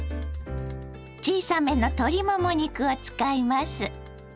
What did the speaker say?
小さめの鶏もも肉を使います。